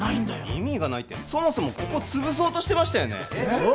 意味がないってそもそもここ潰そうとしてましたよねえっ？